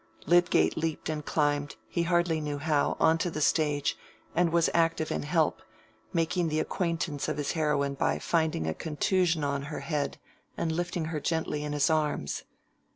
Lydgate leaped and climbed, he hardly knew how, on to the stage, and was active in help, making the acquaintance of his heroine by finding a contusion on her head and lifting her gently in his arms.